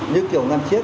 như kiểu ngăn chiếc